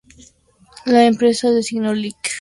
La empresa designó al Lic.